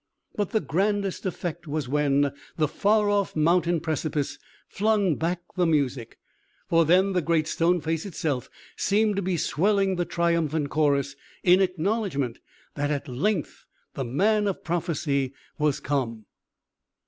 But the grandest effect was when the far off mountain precipice flung back the music; for then the Great Stone Face itself seemed to be swelling the triumphant chorus, in acknowledgment that, at length, the man of prophecy was come.